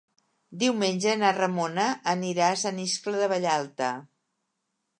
Diumenge na Ramona anirà a Sant Iscle de Vallalta.